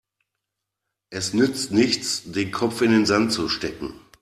Es nützt nichts, den Kopf in den Sand zu stecken.